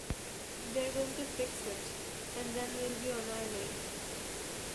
They're going to fix it, and then we'll be on our way.